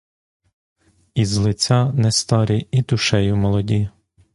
І з лиця не старі і душею молоді!